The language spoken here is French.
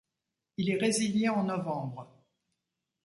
Il est résilié en novembre.